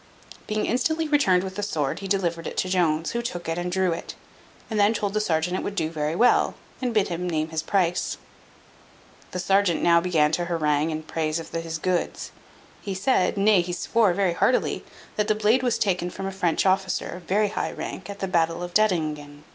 Being instantly returned with the sword, he delivered it to Jones, who took it and drew it; and then told the serjeant it would do very well, and bid him name his price. The serjeant now began to harangue in praise of his goods. He said (nay he swore very heartily), "that the blade was taken from a French officer, of very high rank, at the battle of Dettingen.